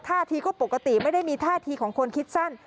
ท่าทีก็ปกติไม่ได้มีท่าทีของคนคิดสั้น